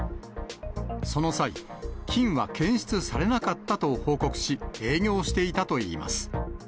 その際、菌は検出されなかったと報告し、営業していたといいます。